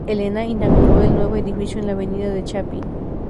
Elena, inauguró el nuevo edificio en la Avenida de Chapí.